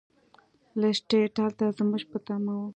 لیسټرډ هلته زموږ په تمه و.